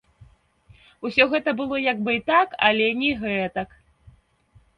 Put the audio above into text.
Усё гэта было як бы і так, але не гэтак.